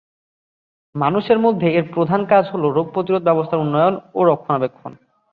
মানুষের মধ্যে এর প্রধান কাজ হল রোগপ্রতিরোধ ব্যবস্থার উন্নয়ন ও রক্ষণাবেক্ষণ।